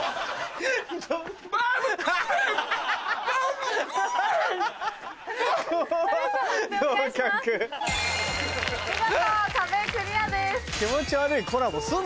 見事壁クリアです。